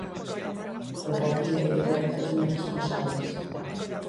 Porque aquí hai declaracións moi irresponsables.